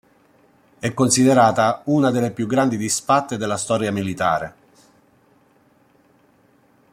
È considerata una delle più gravi disfatte della storia militare.